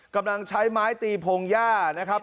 กำลังใช้ไม้ตีพงหญ้านะครับ